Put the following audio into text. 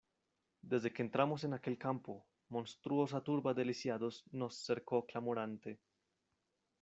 desde que entramos en aquel campo, monstruosa turba de lisiados nos cercó clamorante: